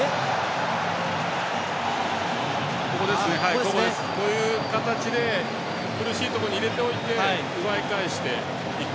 こういう形で苦しいところに入れておいて奪い返していく。